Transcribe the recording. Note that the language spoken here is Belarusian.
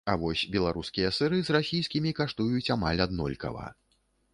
А вось беларускія сыры з расійскімі каштуюць амаль аднолькава.